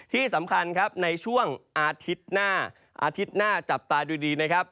ที่สำคัญครับในช่วงอาทิตย์หน้าอาทิตย์หน้าจับตาดูดีนะครับ